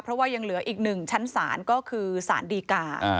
เพราะว่ายังเหลืออีกหนึ่งชั้นศาลก็คือสารดีกา